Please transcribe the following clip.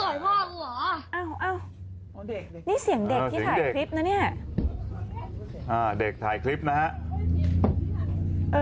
นี่เสียงเด็กที่ถ่ายคลิปนะเนี่ย